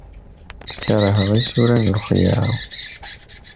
Kerheɣ isura n lxelɛa.